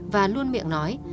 và luôn miệng nói